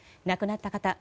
亡くなった方